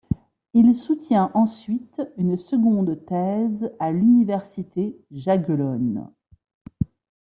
Il soutient ensuite une seconde thèse à l'Université Jagellonne.